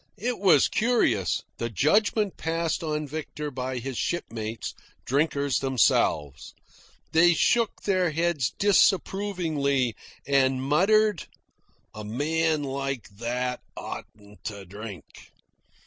It was curious, the judgment passed on Victor by his shipmates, drinkers themselves. They shook their heads disapprovingly and muttered: "A man like that oughtn't to drink."